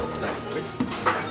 はい。